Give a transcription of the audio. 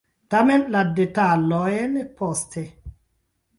Tamen, la detalojn poste.